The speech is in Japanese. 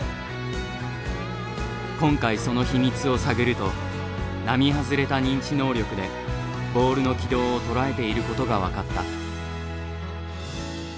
今回その秘密を探ると並外れた認知能力でボールの軌道をとらえていることが分かった。